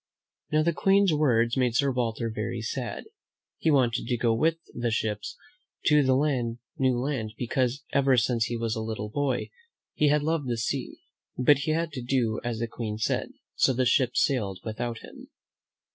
Now, the Queen's words made Sir Walter very sad. He wanted to go with the ships to the new land, because ever since he was a little boy he had loved the sea; but he had to do as the Queen said, so the ships sailed without him.